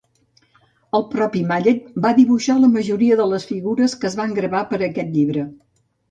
El propi Mallet va dibuixar la majoria de les figures que es van gravar per a aquest llibre.